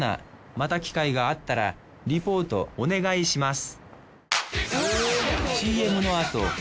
また機会があったらリポートお願いします